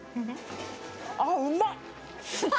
あっうまっ！